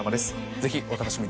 ぜひお楽しみに。